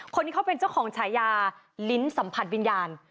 คนนี้เขาเป็นเจ้าของฉายาลิ้นสัมผัสวิญญาณ